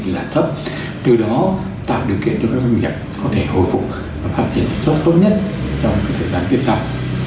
là thấp từ đó tạo điều kiện cho các doanh nghiệp có thể hồi phục và phát triển sản xuất tốt nhất trong thời gian tiếp theo